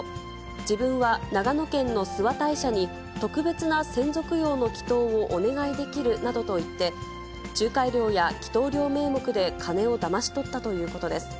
自分は長野県の諏訪大社に特別な先祖供養の祈とうをお願いできるなどと言って、仲介料や祈とう料名目で金をだまし取ったということです。